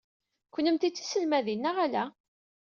Kennemti d tiselmadin neɣ ala?